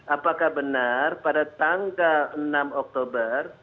apakah benar pada tanggal enam oktober